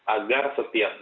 agar setiap hari